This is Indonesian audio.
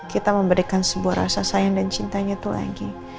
kita memberikan sebuah rasa sayang dan cintanya itu lagi